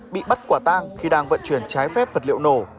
bị bắt quả tang khi đang vận chuyển trái phép vật liệu nổ